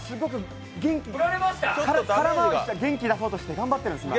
で、空回りして元気出そうとして頑張ってるんです、今。